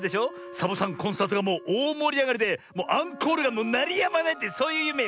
サボさんコンサートがもうおおもりあがりでもうアンコールがなりやまないってそういうゆめよね？